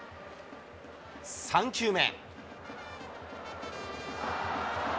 ３球目。